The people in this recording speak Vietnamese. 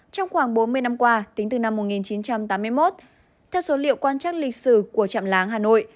trong khoảng bốn mươi năm qua tính từ năm một nghìn chín trăm tám mươi một theo số liệu quan trắc lịch sử của trạm láng hà nội